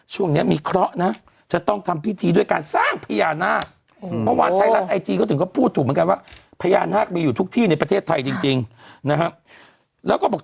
ช่วงนี้มีเคราะห์นะจะต้องทำพิธีด้วยการสร้างพญานาค